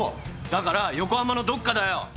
だから、横浜のどっかだよ！